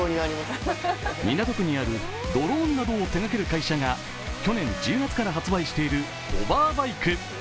港区にあるドローンなどを手がける会社が去年１０月から発売しているホバーバイク。